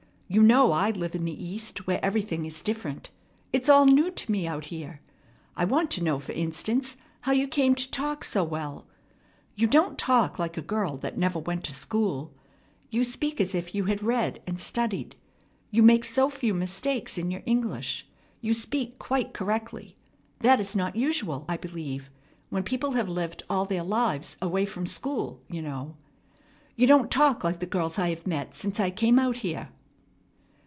You know I live in the East where everything is different. It's all new to me out here. I want to know, for instance, how you came to talk so well. You don't talk like a girl that never went to school. You speak as if you had read and studied. You make so few mistakes in your English. You speak quite correctly. That is not usual, I believe, when people have lived all their lives away from school, you know. You don't talk like the girls I have met since I came out here."